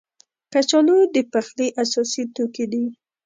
کچالو د پخلي اساسي توکي دي